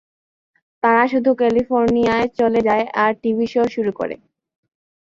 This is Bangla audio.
তারা শুধু ক্যালিফোর্নিয়ায় চলে যায় আর টিভি শো শুরু করে।